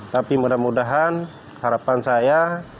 tapi mudah mudahan harapan saya